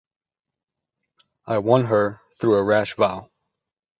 I won her through a rash vow.